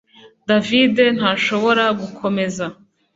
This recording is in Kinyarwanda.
David ntashobora gukomeza